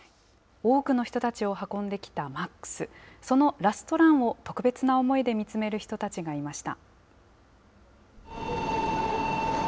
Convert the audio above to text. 多くの人たちを運んできたＭａｘ、そのラストランを、特別な思いで見つめる人たちがいました。